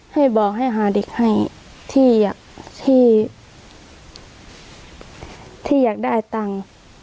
ให้บอกให้หาเด็กให้ที่อยากได้ตังค์